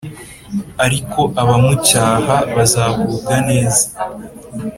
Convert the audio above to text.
Ariko abamucyaha bazagubwa neza